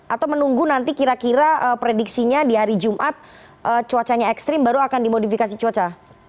atau menunggu nanti kira kira prediksinya di hari jumat cuacanya ekstrim baru akan dimodifikasi cuaca